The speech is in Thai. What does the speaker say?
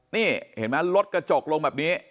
นี่เห็นไหมรถกระจกลงแบบนี้